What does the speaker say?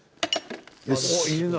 よし！